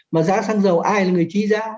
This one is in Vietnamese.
mà giá xăng dầu ai là người chi giá